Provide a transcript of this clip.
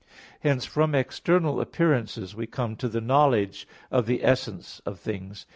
Hence from external appearances we come to the knowledge of the essence of things.